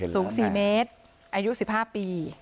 สูง๔เมตรอายุ๑๕ปี